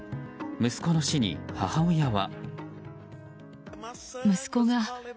息子の死に母親は。